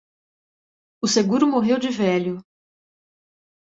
O seguro morreu de velho